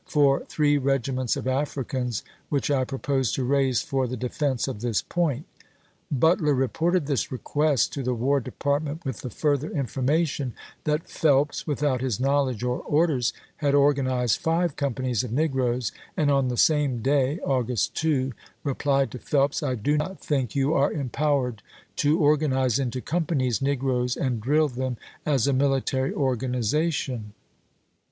for three regiments of 1862! ^w!'r. Africans which I propose to raise for the defense Vol. XV. p.' 534. ■' of this point." Butler reported this request to the War Department with the further information that Phelps, without his knowledge or orders, had or ganized five companies of negroes, and on the same day (August 2) replied to Phelps, " I do not think you are empowered to organize into companies negroes and drill them as a military organization.